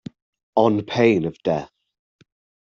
On pain of death.